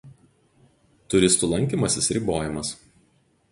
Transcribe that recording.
Turistų lankymasis ribojamas.